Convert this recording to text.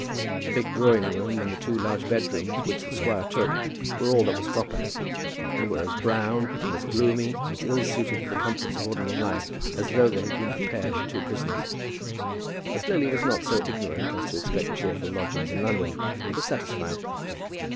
The big drawing room and two large bedrooms which the squire took, were all that was proper, and were as brown, and as gloomy, and as ill suited for the comforts of ordinary life as though they had been prepared for two prisoners. But Lily was not so ignorant as to expect cheerful lodgings in London, and was satisfied.